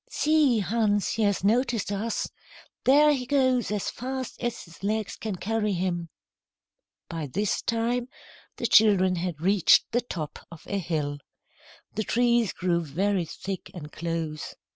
"See! Hans, he has noticed us. There he goes as fast as his legs can carry him." By this time, the children had reached the top of a hill. The trees grew very thick and close.